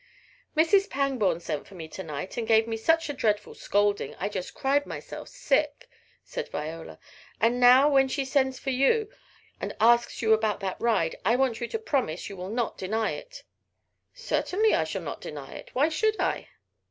"Mrs. Pangborn sent for me to night, and gave me such a dreadful scolding, I just cried myself sick," said Viola, "and now when she sends for you, and asks you about that ride, I want you to promise you will not deny it!" "Certainly I shall not deny it! Why should I?"